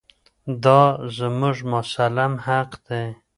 دا زموږ مسلم حق دی.